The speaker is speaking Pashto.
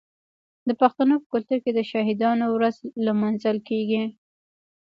د پښتنو په کلتور کې د شهیدانو ورځ لمانځل کیږي.